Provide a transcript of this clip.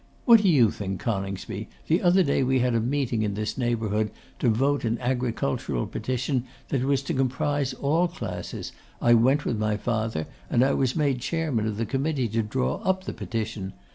'What do you think, Coningsby, the other day we had a meeting in this neighbourhood to vote an agricultural petition that was to comprise all classes. I went with my father, and I was made chairman of the committee to draw up the petition.